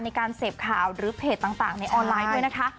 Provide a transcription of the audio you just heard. ในการเสพข่าวหรือเพจต่างในออนไลน์ด้วยนะคะ